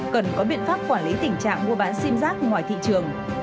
cần có biện pháp quản lý tình trạng mua bán sim giác ngoài thị trường